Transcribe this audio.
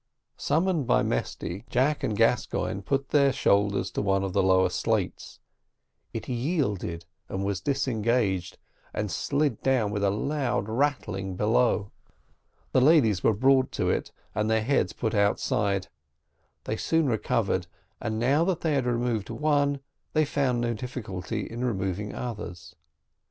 Summoned by Mesty, Jack and Gascoigne put their shoulders to one of the lower slates; it yielded was disengaged, and slid down with a loud rattling below. The ladies were brought to it, and their heads put outside; they soon recovered; and now that they had removed one, they found no difficulty in removing others.